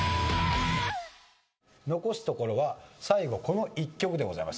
残すところは最後この１曲でございます。